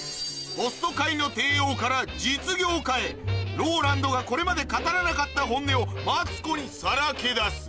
ホスト界の帝王から実業家へＲＯＬＡＮＤがこれまで語らなかった本音をマツコにさらけ出す